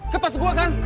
ke tas gue kan